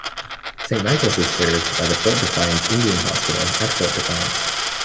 Saint Michaels is served by the Fort Defiance Indian Hospital at Fort Defiance.